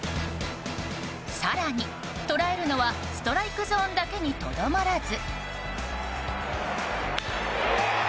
更に捉えるのはストライクゾーンだけにとどまらず。